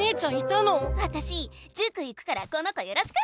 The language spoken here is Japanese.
わたしじゅく行くからこの子よろしく！